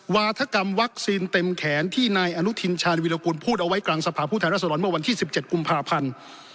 วาธกรรมวัคซีนเต็มแขนที่นายอนุทินชาญวิรากูลพูดเอาไว้กลางสภาพผู้แทนรัศดรเมื่อวันที่๑๗กุมภาพันธ์